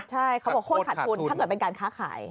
ใช่เขาบอกโคตรขาดทุนถ้าเกิดเป็นการค้าขาย